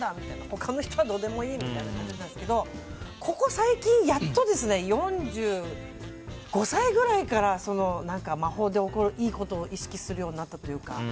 他の人はどうでもいい、みたいな感じだったんですけどここ最近やっと４５歳くらいから魔法でいいことを意識するようになったというか。